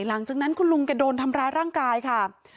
หลังจากนั้นคุณลุงแกโดนทำร้ายร่างกายค่ะ